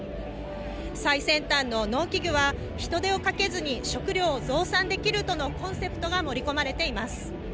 最先端の農機具は、人手をかけずに食料を増産できるとのコンセプトが盛り込まれています。